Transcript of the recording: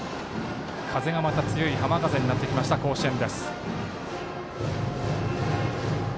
風がまた強い浜風になってきました甲子園。